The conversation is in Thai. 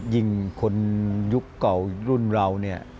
ยิ่งคนยุคเก่ารุ่นเรา